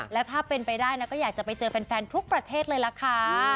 แล้วถ้าเป็นไปได้นะก็อยากจะไปเจอแฟนทุกประเทศเลยล่ะค่ะ